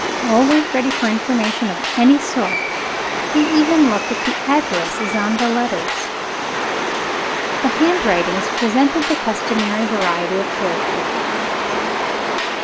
Always ready for information of any sort, he even looked at the addresses on the letters. The handwritings presented the customary variety of character.